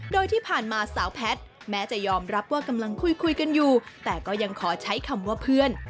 โดยที่ผ่านมาสาวแพทย์แม้จะยอมรับว่ากำลังคุยกันอยู่แต่ก็ยังขอใช้คำว่าเพื่อน